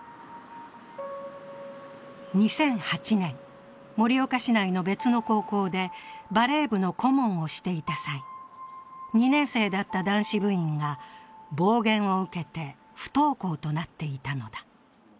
２００８年、盛岡市内の別の高校でバレー部の顧問をしていた際２年生だった男子部員が暴言を受けて不登校となっていたのだ。